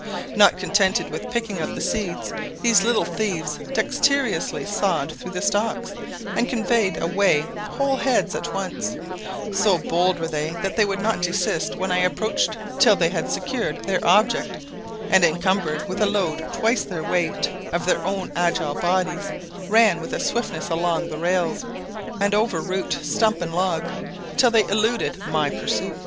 Not contented with picking out the seeds, these little thieves dexterously sawed through the stalks, and conveyed away whole heads at once: so bold were they that they would not desist when I approached till they had secured their object, and, encumbered with a load twice the weight of their own agile bodies, ran with a swiftness along the rails, and over root, stump, and log, till they eluded my pursuit.